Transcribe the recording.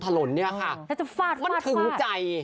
ต้องบอกได้เลยนะคะว่าดีใจแล้วก็รู้สึกตื่นเต้นประทับใจ